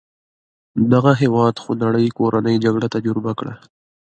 دغه هېواد خونړۍ کورنۍ جګړه تجربه کړه.